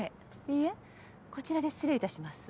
いえこちらで失礼いたします。